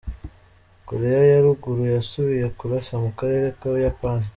Korea ya ruguru yasubiye kurasa mu karere k'Ubuyapani.